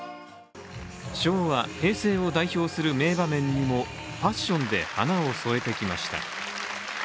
昭和、平成を代表する名場面にもファッションで花を添えてきました。